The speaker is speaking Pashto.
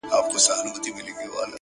علم د ژوند ارزښت لوړوي!